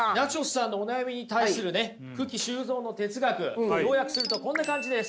さんのお悩みに対するね九鬼周造の哲学要約すると、こんな感じです。